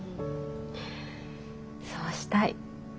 そうしたい。